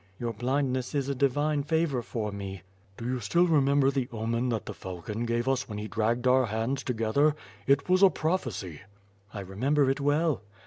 "Your blindness is a divine favor for me." "Do you still remember the omen that the falcon gave us when he dragged our hands together? It was a prophecy." "I remember it well."